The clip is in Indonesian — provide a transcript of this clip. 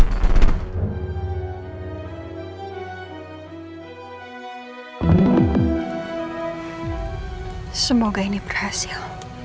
ya aku harus berhasil